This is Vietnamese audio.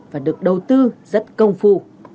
và được đầu tư rất công phu